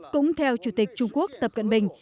cũng theo chủ tịch trung quốc tập cận bình